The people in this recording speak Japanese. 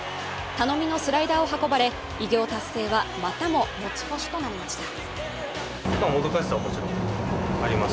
頼みのスライダーを運ばれ偉業達成はまたも持ち越しとなりました。